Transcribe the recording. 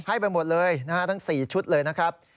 ให้ไปหมดเลยนะฮะทั้ง๔ชุดเลยนะครับ